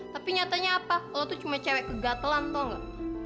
tapi nyatanya apa lo tuh cuma cewek kegatelan atau enggak